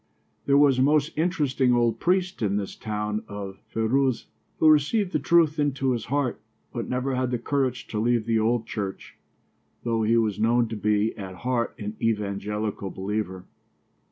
There was a most interesting old priest in this town of Feiruzeh who received the truth into his heart, but never had the courage to leave the old church, though he was known to be at heart an evangelical believer.